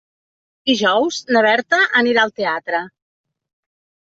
Dijous na Berta anirà al teatre.